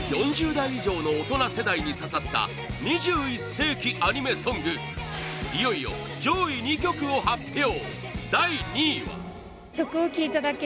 ４０代以上のオトナ世代に刺さった２１世紀アニメソングいよいよ上位２曲を発表！